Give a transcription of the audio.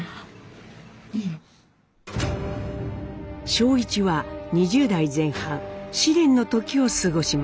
正一は２０代前半試練の時を過ごします。